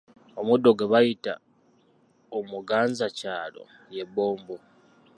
Omuddo gwe bayita omuganzakyalo ly'ebbombo.